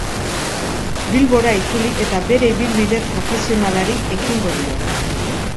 Bilbora itzuli eta bere ibilbide profesionalari ekingo dio.